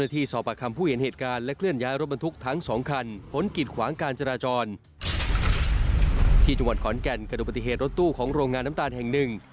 ที่จังหวัดขอนแก่นกระดูกปฏิเหตุรถตู้ของโรงงานน้ำตาลแห่งหนึ่ง